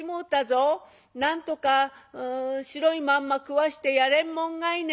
なんとか白いまんま食わしてやれんもんがいね。